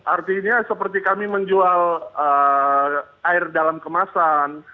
artinya seperti kami menjual air dalam kemasan